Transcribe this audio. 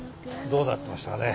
どうなってましたかね？